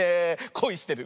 こいしてる。